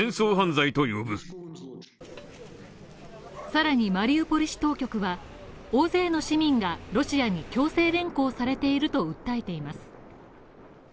更にマリウポリ市当局は大勢の市民がロシアに強制連行されていると訴えています。